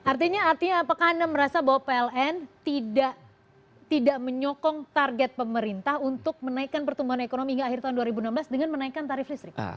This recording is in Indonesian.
artinya apakah anda merasa bahwa pln tidak menyokong target pemerintah untuk menaikkan pertumbuhan ekonomi hingga akhir tahun dua ribu enam belas dengan menaikkan tarif listrik